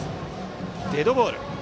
デッドボール。